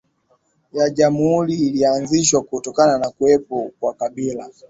ya jamhuri ilianzishwa kutokana na kuwepo kwa kabila